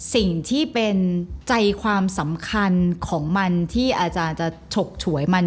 สิ่งที่เป็นใจความสำคัญของมันที่อาจารย์จะฉกฉวยมัน